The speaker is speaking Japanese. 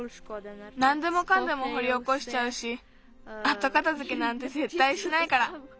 なんでもかんでもほりおこしちゃうしあとかたづけなんてぜったいしないから。